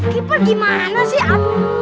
kiper gimana sih